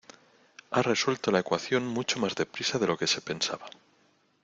Ha resuelto la ecuación mucho más deprisa de lo que se pensaba.